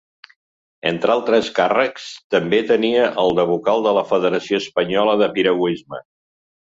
Entre altres càrrecs, també tenia el de vocal de la Federació Espanyola de Piragüisme.